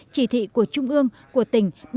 chỉ thị của trung ương của tỉnh